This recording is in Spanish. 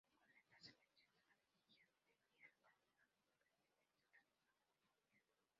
En esas elecciones ganó Guillermo Billinghurst, candidato independiente que se presentó a último momento.